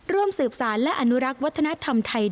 ร่วมสืบสารและอนุรักษ์วัฒนธรรมไทย